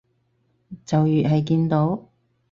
就越係見到